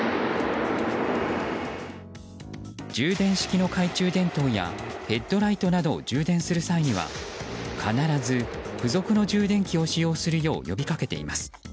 充電式の懐中電灯やヘッドライトなどを充電する際には、必ず付属の充電器を使用するよう呼びかけています。